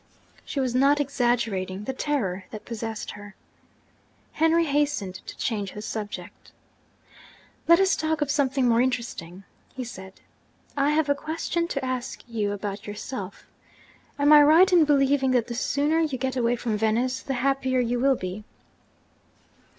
She was not exaggerating the terror that possessed her. Henry hastened to change the subject. 'Let us talk of something more interesting,' he said. 'I have a question to ask you about yourself. Am I right in believing that the sooner you get away from Venice the happier you will be?'